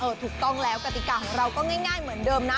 ถูกต้องแล้วกติกาของเราก็ง่ายเหมือนเดิมนะ